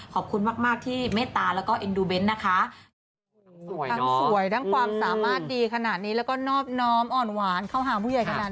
ขอบคุณมากที่เมตตาแล้วก็เอ็นดูเบ้นนะคะ